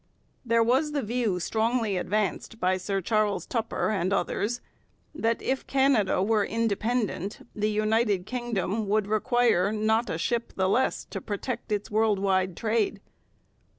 There was the view strongly advanced by Sir Charles Tupper and others, that if Canada were independent the United Kingdom would require not a ship the less to protect its world wide trade.